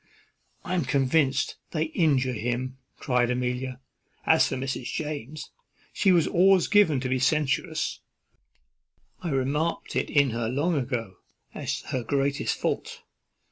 "I am convinced they injure him," cries Amelia. "As for Mrs. James, she was always given to be censorious; I remarked it in her long ago, as her greatest fault.